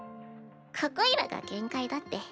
ここいらが限界だって。